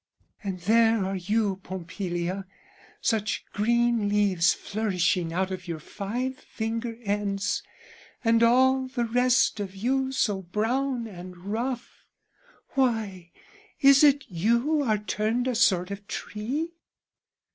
" And there are you, Pompilia, such green leaves "Flourishing out of your five finger ends, "And all the rest of you are turned a sort of tree?" "Why is it you are turned a sort of tree?"